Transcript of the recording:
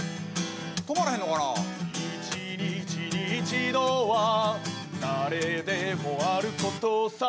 「一日に一度は誰でもあることさ」